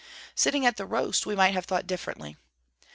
Sitting at the roast we might have thought differently.